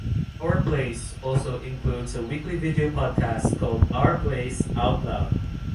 Our Place also includes a weekly video podcast called Our Place Out Loud.